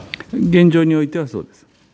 現状においてはそうです。